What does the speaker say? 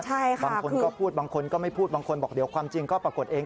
ใช่ค่ะบางคนก็พูดบางคนก็ไม่พูดบางคนบอกเดี๋ยวความจริงก็ปรากฏเอง